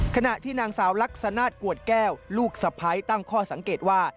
ขณะที่นางสาวลักษณะกวดแก้วลูกสะพ้ายตั้งข้อสังเกตว่า